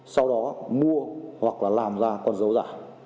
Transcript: sau đó mua hoặc là làm ra con dấu giả